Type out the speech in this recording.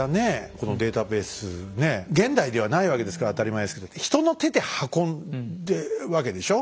このデータベースね現代ではないわけですから当たり前ですけど人の手で運んでるわけでしょ？